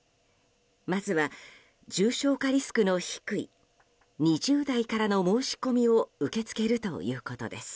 まずは重症化リスクの低い２０代からの申し込みを受け付けるということです。